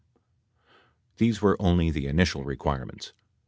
These were only the initial requirements.